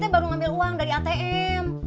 dia baru ngambil uang dari atm